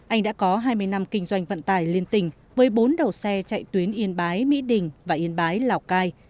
anh đã có hai mươi năm kinh doanh vận tải liên tình với bốn đầu xe chạy tuyến yên bái mỹ đình và yên bái lào cai